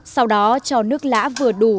sau đó cho nước lã vừa đủ